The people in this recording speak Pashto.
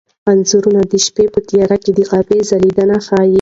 انځور د شپې په تیاره کې د کعبې ځلېدنه ښيي.